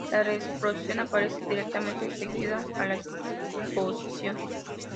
La reexposición aparece directamente seguida a la exposición.